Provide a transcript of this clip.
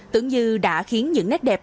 tưởng như đã khiến những nét đẹp